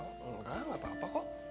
oh enggak apa apa kok